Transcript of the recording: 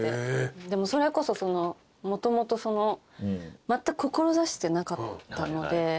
でもそれこそもともとまったく志してなかったので。